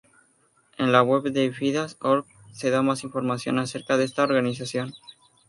En la web de fidas.org se da más información acerca de esta organización.